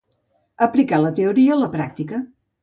Aplicar la teoria a la pràctica.